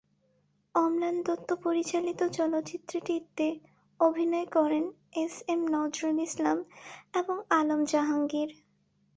অম্লান দত্ত পরিচালিত চলচ্চিত্রটিতে অভিনয় করেন এস এম নজরুল ইসলাম এবং আলম জাহাঙ্গীর।